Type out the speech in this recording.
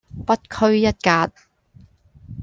不拘一格